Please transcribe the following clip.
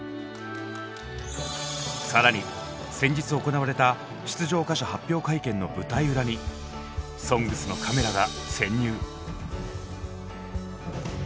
更に先日行われた出場歌手発表会見の舞台裏に「ＳＯＮＧＳ」のカメラが潜入！